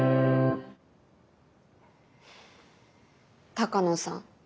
・鷹野さん